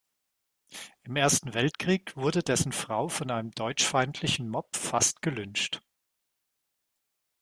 Im Ersten Weltkrieg wurde dessen Frau von einem deutschfeindlichen Mob fast gelyncht.